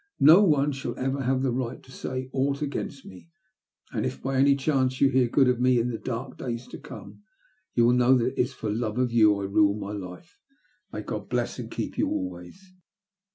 No one shall ever have the right to say ought against me ; and, if by any chance you hear good of me in the dark days to come, you will know that it is for love of you I rule my life. May God bless and keep yon always."